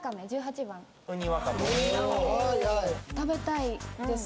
はい食べたいです